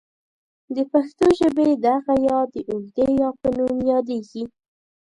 د پښتو ژبې دغه ې د اوږدې یا په نوم یادیږي.